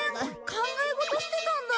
考え事してたんだ。